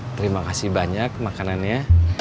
terima kasih banyak makanannya